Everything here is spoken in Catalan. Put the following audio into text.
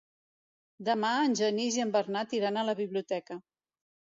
Demà en Genís i en Bernat iran a la biblioteca.